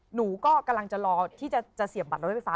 หนูก็กำลังจะรอที่จะเสียบบัตรรถไฟฟ้า